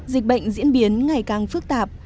dịch bệnh diễn biến ngày càng phức tạp